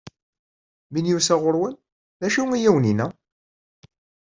Mi n-yusa ɣur-wen, d acu i awen-yenna?